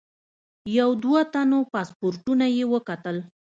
یو دوه تنو پاسپورټونه یې وکتل.